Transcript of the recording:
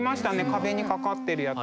壁にかかってるやつ。